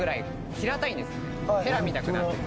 ヘラみたくなってる。